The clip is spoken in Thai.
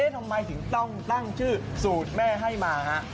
ทำไมถึงต้องตั้งชื่อสูตรแม่ให้มาฮะ